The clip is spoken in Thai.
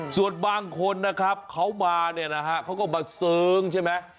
ส่วนบางคนนะครับเขามาเนี่ยนะฮะเขาก็มาเสิร์งใช่ไหม